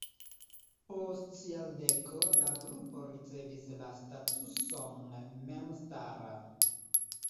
Post jardeko la grupo ricevis la statuson memstara.